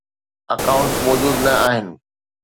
Accounts موجوده نه آهن.